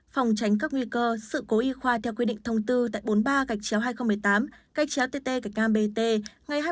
phòng tránh các nguy cơ sự cố y khoa theo quy định thông tư tại bốn mươi ba hai nghìn một mươi tám tt bt ngày hai mươi sáu một mươi hai hai nghìn một mươi tám